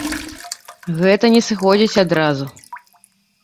Гэта не сыходзіць адразу.